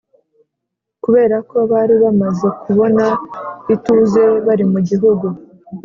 kubera ko bari bamaze kubona ituze bari mu gihugu